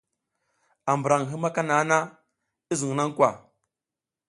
A mburan hima kanaha na, i zun na kwa ?